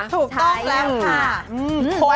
ถูกต้องแล้วค่ะ